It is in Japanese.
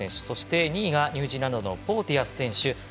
そして２位がニュージーランドのポーティアス選手。